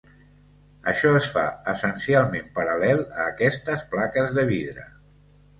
Això es fa essencialment paral·lel a aquestes plaques de vidre.